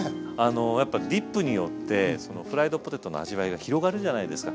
やっぱディップによってフライドポテトの味わいが広がるじゃないですか。